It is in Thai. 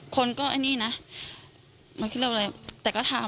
คนก็ไน้เนี่ยนะน่ะอะไรแต่ก็ทำอ่ะ